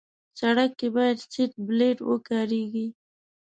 سړک کې باید سیټ بیلټ وکارېږي.